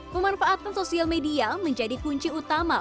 pemanfaatan sosial media menjadi kunci utama